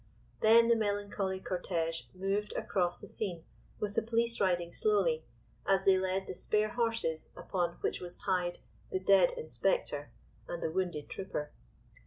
Then the melancholy cortège moved across the scene, with the police riding slowly, as they led the spare horses upon which was tied the dead inspector and the wounded trooper.